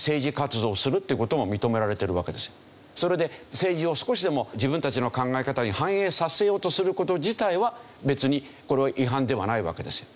それで政治を少しでも自分たちの考え方に反映させようとする事自体は別にこれは違反ではないわけですよ。